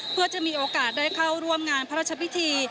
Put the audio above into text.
เพื่อจะมีโอกาสได้เข้าร่วมงานพระราชพิธี